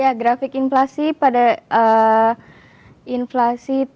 ya grafik inflasi pada inflasi